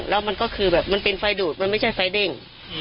แล้วมันก็คือแบบมันเป็นไฟดูดมันไม่ใช่ไฟเด้ง